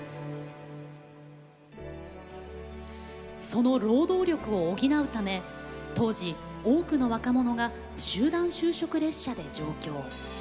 その労働力を補うため当時多くの若者が集団就職列車で上京。